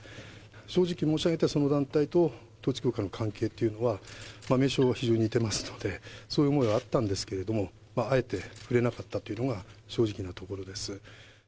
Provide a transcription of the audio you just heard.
正直申し上げて、その団体と統一教会の関係というのは、名称は非常に似てますので、そういう思いはあったんですけれど、あえて触れなかったというのが正直なところです。